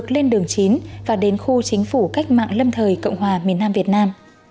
lên đường chín và đến khu chính phủ cách mạng lâm thời cộng hòa miền nam việt nam